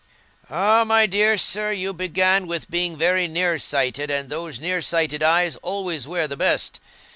"Ah, my dear sir, you began with being very near sighted, and those near sighted eyes always wear the best.